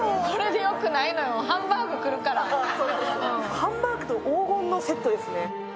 ハンバーグと黄金のセットですね。